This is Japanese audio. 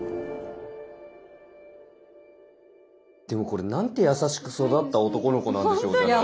でもこれなんて優しく育った男の子なんでしょうね。